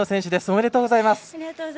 おめでとうございます。